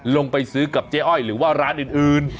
ลงไปซื้อกับเจ๊อ้อยหรือว่าร้านอื่น